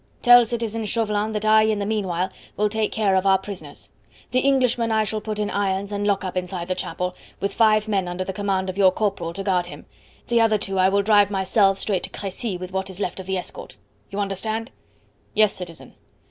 Tell citizen Chauvelin that I in the meanwhile will take care of our prisoners. The Englishman I shall put in irons and lock up inside the chapel, with five men under the command of your corporal to guard him, the other two I will drive myself straight to Crecy with what is left of the escort. You understand?" "Yes, citizen."